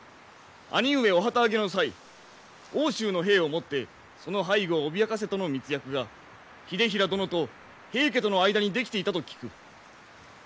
兄上お旗揚げの際奥州の兵をもってその背後を脅かせとの密約が秀衡殿と平家との間に出来ていたと聞く。